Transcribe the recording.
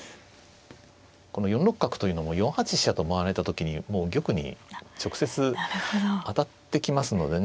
この４六角というのも４八飛車と回られた時にもう玉に直接当たってきますのでね。